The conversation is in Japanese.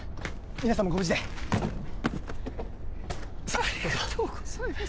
皆さんもご無事でさあどうぞありがとうございます